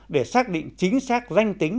để xác định chính xác danh tính